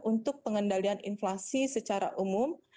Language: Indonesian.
untuk pengendalian inflasi secara umum